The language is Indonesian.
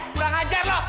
kurang ajar lo